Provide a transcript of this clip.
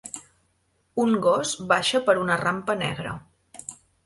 Un gos baixa per una rampa negra.